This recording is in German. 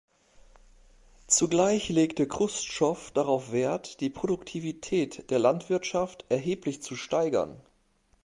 Zugleich legte Chruschtschow darauf Wert, die Produktivität der Landwirtschaft erheblich zu steigern.